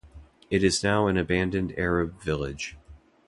It is now an abandoned Arab village.